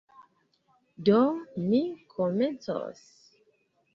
Do, mi komencos.